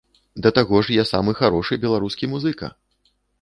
Да таго ж я самы харошы беларускі музыка!